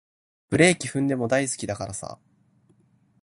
ブレーキ踏んでも大好きだからさ